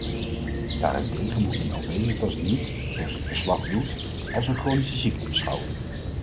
Daarentegen moet men obesitas niet, zoals het verslag doet, als een chronische ziekte beschouwen.